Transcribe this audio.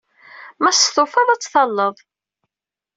Ma testufaḍ, ad tt-talleḍ.